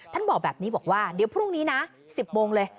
บอกแบบนี้บอกว่าเดี๋ยวพรุ่งนี้นะ๑๐โมงเลย